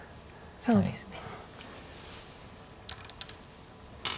そうですね。